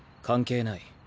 関係ない。